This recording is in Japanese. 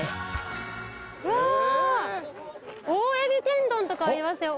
大海老天丼とかありますよ